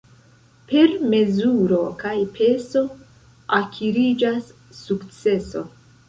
Per mezuro kaj peso akiriĝas sukceso.